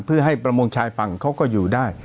เพื่อให้ประมงชายฝั่งเขาก็อยู่ได้